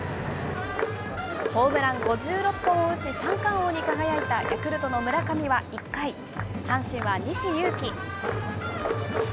ホームラン５６本を打ち三冠王に輝いたヤクルトの村上は１回、阪神は西勇輝。